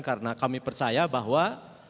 karena kami percaya bahwa